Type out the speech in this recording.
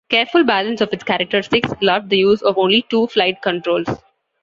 Careful balance of its characteristics allowed the use of only two flight controls.